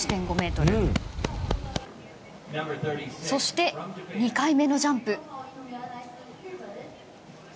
そして２回目のジャンプ。